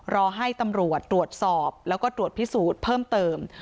รอให้ตำรวจตรวจสอบแล้วก็ตรวจพิสูจน์เพิ่มเติม